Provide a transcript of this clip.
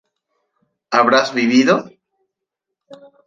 habrás vivido